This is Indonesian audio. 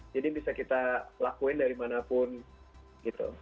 jadi bisa kita lakuin dari mana pun gitu